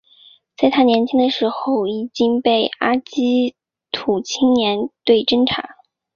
在他年轻的时候已被阿积士青年队侦察。